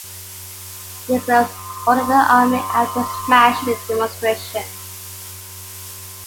Nicolas ordered the army out to smash the demonstration.